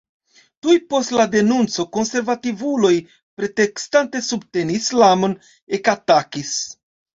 Tuj post la denunco konservativuloj, pretekstante subteni islamon, ekatakis.